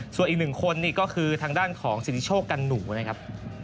ส่วนอีก๑คนก็คือทางด้านของศิษย์โชคกันหนูนะครับ